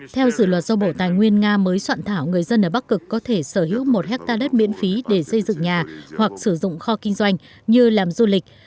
theo dự luật do bộ tài nguyên nga mới soạn thảo người dân ở bắc cực có thể sở hữu một hectare đất miễn phí để xây dựng nhà hoặc sử dụng kho kinh doanh như làm du lịch